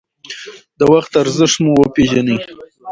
د وخت ارزښت مو وپېژنئ.